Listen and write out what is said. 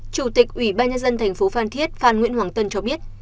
chủ tịch ủy ban nhân dân tp phan thiết phan nguyễn hoàng tân cho biết